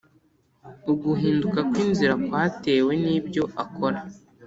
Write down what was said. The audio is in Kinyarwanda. Uguhinduka kw ‘inzira kwatewe nibyo akora.